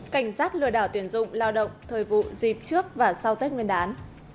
cảnh giác lừa đảo tuyển dụng lao động thời vụ dịp trước và sau tết nguyên đán